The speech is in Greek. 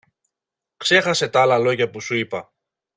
Ξέχασε τ' άλλα λόγια που σου είπα.